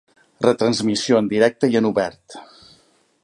Retransmissió en directe i en obert.